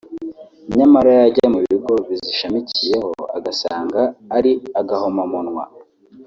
nyamara yajya mu bigo bizishamikiyemo agasanga ari agahomamunwa